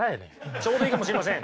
ちょうどいいかもしれません。